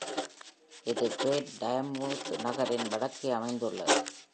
இது Great Yarmouth நகரின் வடக்கே அமைந்துள்ளது.